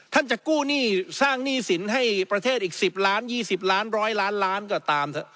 จะกู้หนี้สร้างหนี้สินให้ประเทศอีก๑๐ล้าน๒๐ล้าน๑๐๐ล้านล้านก็ตามเถอะ